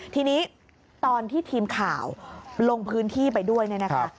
ทีนี้ตอนที่ทีมข่าวลงพื้นที่ไปด้วยเนี่ยนะคะ